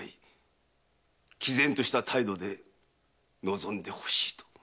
毅然とした態度で臨んでほしいと！